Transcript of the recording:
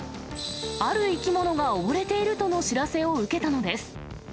ある生き物が溺れているとの知らせを受けたのです。